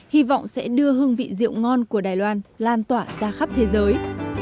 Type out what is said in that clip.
hy vọng sẽ đưa hương vị rượu ngon của đài loan lan tỏa ra khắp thế giới